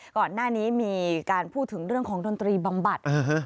ก่อนหน้านี้มีการพูดถึงเรื่องของดนตรีบำบัด